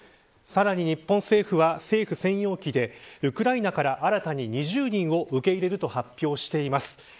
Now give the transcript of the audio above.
さらに日本政府は政府専用機でウクライナから新たに２０人を受け入れると発表しています。